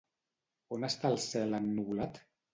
On està el cel ennuvolat?